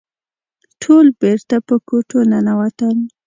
ټول بېرته په کوټو ننوتل.